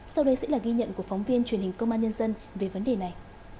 sau đây sẽ là ghi nhận của phóng viên truyền hình công an nhân dân về vấn đề này